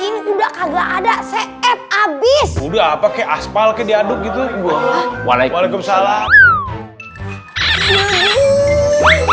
ini udah kagak ada set habis udah pakai aspal ke diaduk gitu gua walaikum salam